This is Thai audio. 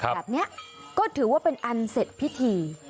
แบบนี้ก็ถือว่าเป็นอันเสร็จพิธี